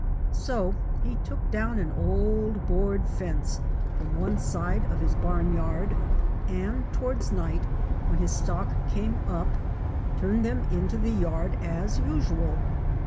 So he took down an old board fence from one side of his barn yard, and towards night when his stock came up, turned them into the yard as usual.